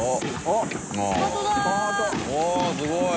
おぉすごい！